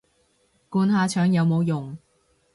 灌下腸有冇用